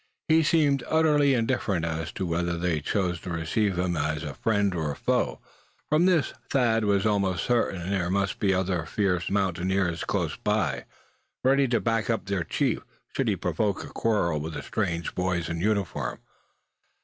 He seemed utterly indifferent as to whether they chose to receive him either as a friend or a foe. From this Thad was almost certain that there must be other fierce mountaineers close by, ready to back up their chief, should he provoke a quarrel with the strange boys in uniform.